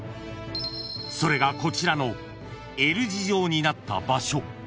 ［それがこちらのＬ字状になった場所］